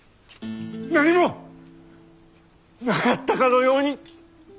何もなかったかのように！